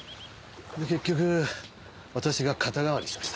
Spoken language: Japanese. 結局私が肩代わりしました。